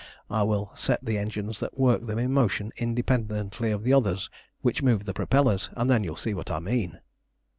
I will set the engines that work them in motion independently of the others which move the propellers, and then you will see what I mean."